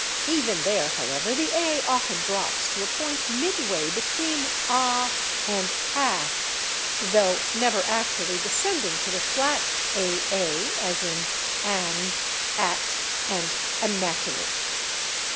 Even there, however, the /a/ often drops to a point midway between /ah/ and /aa/, though never actually descending to the flat /aa/, as in /an/, /at/ and /anatomy